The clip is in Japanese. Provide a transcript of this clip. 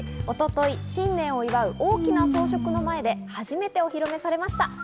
一昨日、新年を祝う大きな装飾の前で初めてお披露目されました。